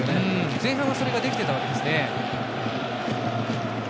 前半はそれができてたわけですね。